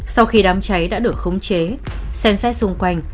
sau khi đám trải đã được khống chế xem xe xung quanh